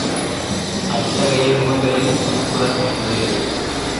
அத்தகைய நூல்களில் திருக்குறள் ஒன்று.